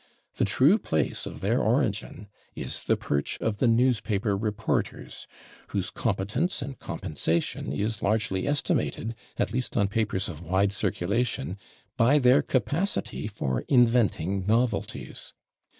The true place of their origin is the perch of the newspaper reporters, whose competence and compensation is largely estimated, at least on papers of wide circulation, by their capacity for inventing novelties.